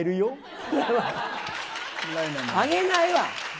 あげないわ。